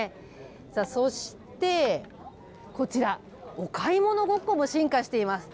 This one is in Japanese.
さあそして、こちら、お買い物ごっこも進化しています。